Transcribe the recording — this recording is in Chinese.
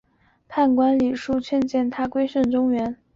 判官李恕劝谏他归顺中原。